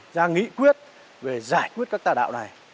ra nghĩ quyết về giải quyết các tài đạo này